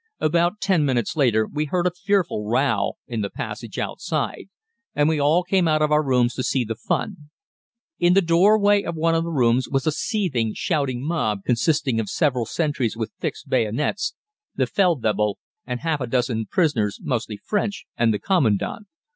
About ten minutes later we heard a fearful row in the passage outside, and we all came out of our rooms to see the fun. In the doorway of one of the rooms was a seething, shouting mob consisting of several sentries with fixed bayonets, the Feldwebel and half a dozen prisoners, mostly French, and the Commandant.